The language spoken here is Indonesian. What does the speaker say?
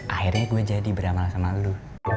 akhirnya gua jadi beramal sama lu